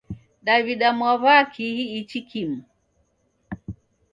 Daw'ida mwaw'a kihi ichi kimu?